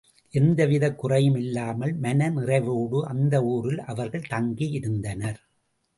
எந்த விதக் குறைவும் இல்லாமல் மன நிறைவோடு அந்த ஊரில் அவர்கள் தங்கி இருந்தனர்.